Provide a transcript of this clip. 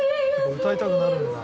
歌いたくなるよな。